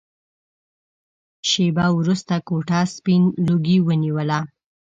شېبه وروسته کوټه سپين لوګي ونيوله.